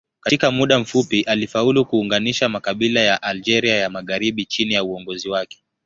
Katika muda mfupi alifaulu kuunganisha makabila ya Algeria ya magharibi chini ya uongozi wake.